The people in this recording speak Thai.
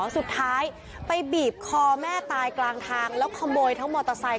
สุดท้ายไปบีบคอแม่ตายกลางทางแล้วขโมยทั้งมอเตอร์ไซค